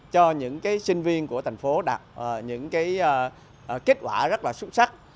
cho những sinh viên của thành phố đạt những kết quả rất là xuất sắc